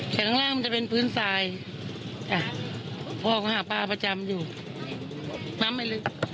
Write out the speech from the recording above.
แต่ข้างล่างมันจะเป็นพื้นทรายพ่อก็หาป้าประจำอยู่น้ำไม่ลึก